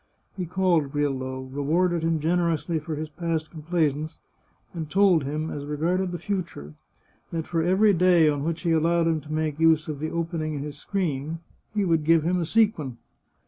He called Grillo, rewarded him generously for his past complaisance, and told him, as re garded the future, that for every day on which he allowed him to make use of the opening in his screen, he would give him a sequin.